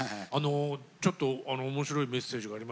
ちょっと面白いメッセージがありましたよ。